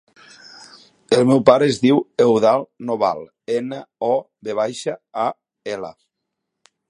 El meu pare es diu Eudald Noval: ena, o, ve baixa, a, ela.